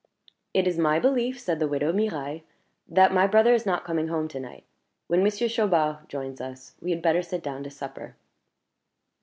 "It is my belief," said the widow Mirailhe, "that my brother is not coming home to night. When Monsieur Chaubard joins us, we had better sit down to supper."